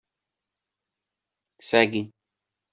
Segui.